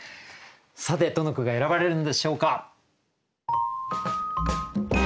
さてどの句が選ばれるのでしょうか。